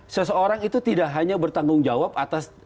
seseorang itu tidak hanya bertanggung jawab atas